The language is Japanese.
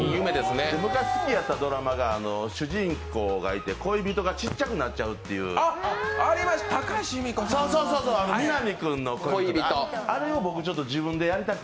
昔好きやったドラマが、主人公がいて、恋人がちっちゃくなっちゃうっていう、「南くんの恋人」